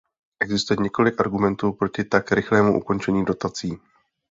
Existuje několik argumentů proti tak rychlému ukončení dotací.